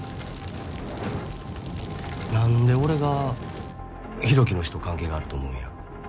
なんで俺が浩喜の死と関係があると思うんや？